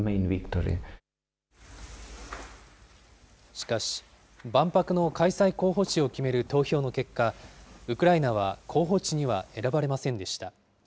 しかし、万博の開催候補地を決める投票の結果、ウクライナは候補地には選ばれませんでした。